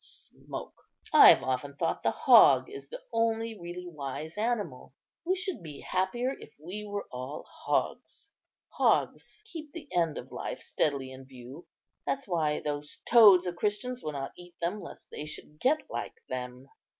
smoke. I've often thought the hog is the only really wise animal. We should be happier if we were all hogs. Hogs keep the end of life steadily in view; that's why those toads of Christians will not eat them, lest they should get like them.